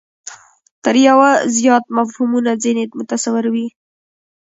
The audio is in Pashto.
تر یوه زیات مفهومونه ځنې متصور وي.